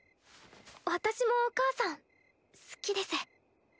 私もお母さん好きです。